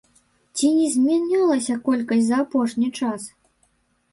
Ці не змянялася колькасць за апошні час?